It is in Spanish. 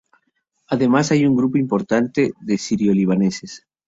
Además hay un grupo importante de sirio-libaneses.